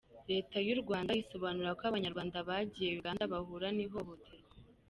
Leta y’u Rwanda isobanura ko Abanyarwanda bagiye Uganda bahura n’ihohoterwa.